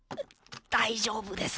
大丈夫です。